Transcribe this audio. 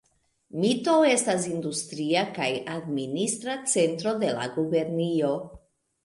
Mito estas industria kaj administra centro de la gubernio.